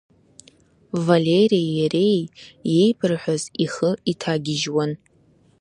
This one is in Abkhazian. Варлеии иареи иеибырҳәаз ихы иҭагьежьуан.